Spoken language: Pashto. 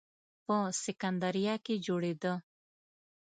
په سکندریه کې جوړېده.